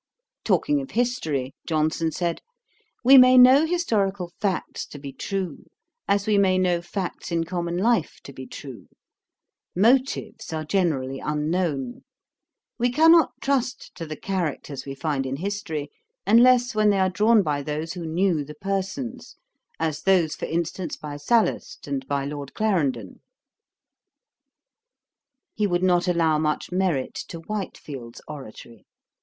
Talking of history, Johnson said, 'We may know historical facts to be true, as we may know facts in common life to be true. Motives are generally unknown. We cannot trust to the characters we find in history, unless when they are drawn by those who knew the persons; as those, for instance, by Sallust and by Lord Clarendon.' He would not allow much merit to Whitefield's oratory.